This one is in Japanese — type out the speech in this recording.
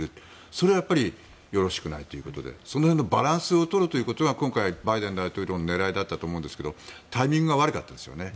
それはやっぱりよろしくないということでその辺のバランスを取ることが今回、バイデン大統領の狙いだったと思うんですがタイミングが悪かったですよね。